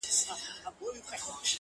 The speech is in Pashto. ملا فتواء ورکړه ملا يو ښايست وواژه خو؛